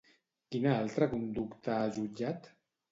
Quina altra conducta ha jutjat?